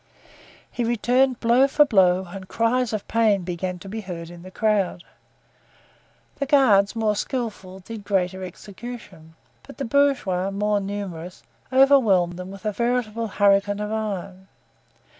He returned blow for blow and cries of pain began to be heard in the crowd. The guards, more skillful, did greater execution; but the bourgeois, more numerous, overwhelmed them with a veritable hurricane of iron.